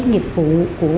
nghiệp vụ của